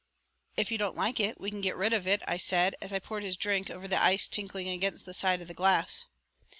"If you don't like it we can get rid of it," I said, as I poured his drink over the ice tinkling against the side of the glass.